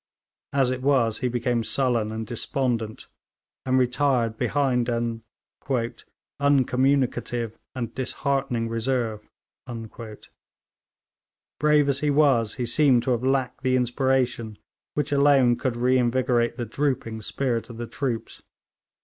As it was he became sullen and despondent, and retired behind an 'uncommunicative and disheartening reserve.' Brave as he was, he seems to have lacked the inspiration which alone could reinvigorate the drooping spirit of the troops.